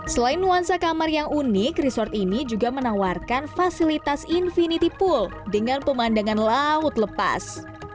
selain nuansa kamar yang unik resort ini juga menawarkan fasilitas infinity pool dengan pemandangan laut lepas